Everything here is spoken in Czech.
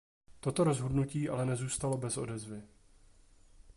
Toto rozhodnutí ale nezůstalo bez odezvy.